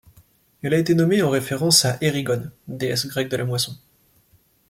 Elle a été nommée en référence à Erigone, déesse grecque de la moisson.